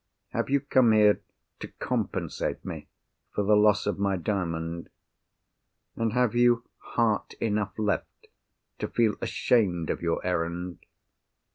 Have you come here to compensate me for the loss of my Diamond? And have you heart enough left to feel ashamed of your errand?